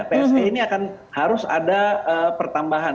psbb ini akan harus ada pertambahan